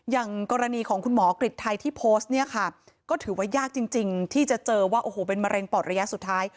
อย่างกรณีของคุณหมอกริจไทยที่โพสต์เนี่ยค่ะก็ถือว่ายากจริงที่จะเจอว่าโอ้โหเป็นมะเร็งปอดระยะสุดท้าย